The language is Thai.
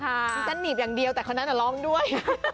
ฉันหนีบอย่างเดียวแต่คนนั้นร้องด้วย